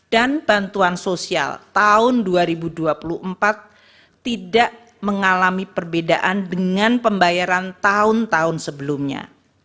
dan bantuan sosial tahun dua ribu dua puluh empat tidak mengalami perbedaan dengan pembayaran tahun tahun sebelumnya